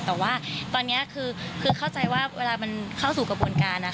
แต่ว่าตอนนี้คือเข้าใจว่าเวลามันเข้าสู่กระบวนการ